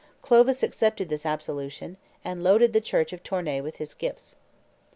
Clovis accepted this absolution, and loaded the church of Tournai with his gifts.